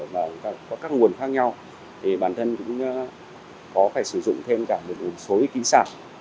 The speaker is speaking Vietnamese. và có các nguồn khác nhau thì bản thân cũng có phải sử dụng thêm cả một số kính sản